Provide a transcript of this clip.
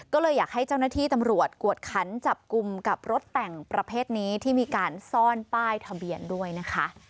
ก็เลยอยากให้เจ้าหน้าที่ตำรวจกวดขันจับกลุ่มกับรถแต่งประเภทนี้ที่มีการซ่อนป้ายทะเบียนด้วยนะคะ